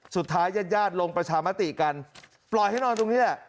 สุดท้ายญาติลงประชามติกันปล่อยให้นอนตรงนี้